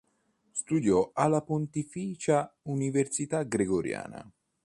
Studiò alla Pontificia Università Gregoriana.